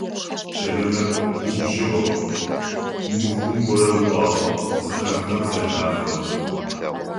Чэлэмэт губжыгъэу, мыхъун горэ ыӏуагъэу зыхэтхэм зэхахыгъэп.